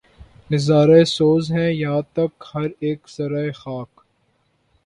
نظارہ سوز ہے یاں تک ہر ایک ذرّۂ خاک